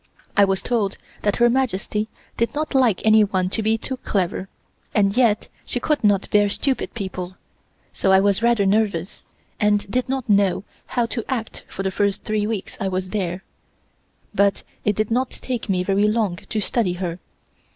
I was told that Her Majesty did not like anyone to be too clever, and yet she could not bear stupid people, so I was rather nervous, and did not know how to act for the first three weeks I was there, but it did not take me very long to study her.